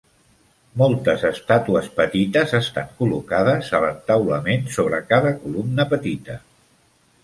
Moltes estàtues petites estan col·locades a l'entaulament sobre cada columna petita.